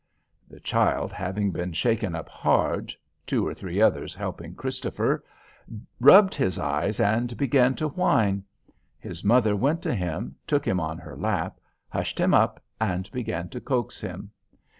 The child having been shaken up hard (two or three others helping Christopher), rubbed his eyes and began to whine. His mother went to him, took him on her lap, hushed him up, and began to coax him.